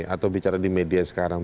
atau bicara di media sekarang